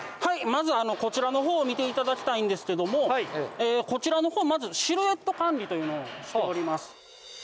まずこちらのほうを見て頂きたいんですけどもこちらのほうまずシルエット管理というのをしております。